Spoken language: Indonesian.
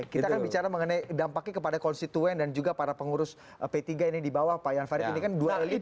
kita akan bicara mengenai dampaknya kepada konstituen dan juga para pengurus p tiga ini di bawah pak jan farid ini kan dua lima